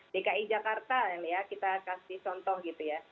dki jakarta kita kasih contoh gitu ya